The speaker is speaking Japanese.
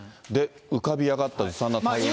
浮かび上がったずさんな対応。